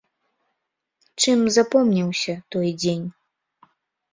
Чым запомніўся той дзень?